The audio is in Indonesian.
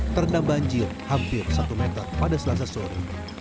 terendam banjir hampir satu meter pada selasa sore